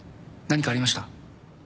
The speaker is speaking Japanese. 何かありました？